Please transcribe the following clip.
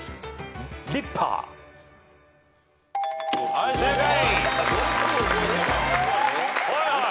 はい正解。